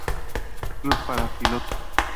Club para pilotos.